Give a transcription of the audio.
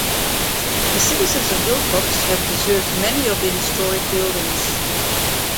The citizens of Willcox have preserved many of the historic buildings.